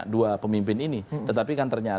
dua pemimpin ini tetapi kan ternyata